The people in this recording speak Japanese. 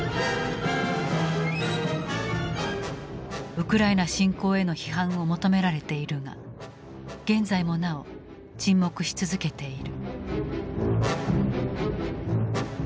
ウクライナ侵攻への批判を求められているが現在もなお沈黙し続けている。